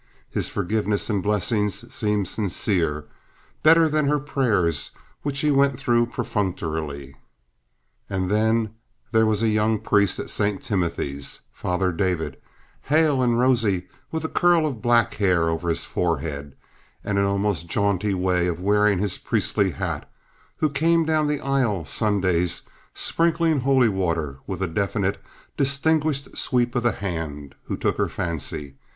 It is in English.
His forgiveness and blessing seemed sincere—better than her prayers, which she went through perfunctorily. And then there was a young priest at St. Timothy's, Father David, hale and rosy, with a curl of black hair over his forehead, and an almost jaunty way of wearing his priestly hat, who came down the aisle Sundays sprinkling holy water with a definite, distinguished sweep of the hand, who took her fancy.